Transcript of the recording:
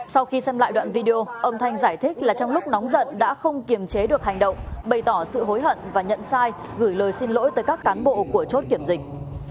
sau khi xem lại đoạn video ông thanh giải thích là trong lúc nóng giận đã không kiềm chế được hành động bày tỏ sự hối hận và nhận sai gửi lời xin lỗi tới các cán bộ của chốt kiểm dịch